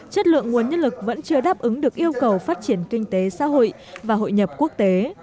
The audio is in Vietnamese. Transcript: chất lượng nguồn nhân lực vẫn chưa đáp ứng được yêu cầu phát triển kinh tế xã hội và hội nhập quốc tế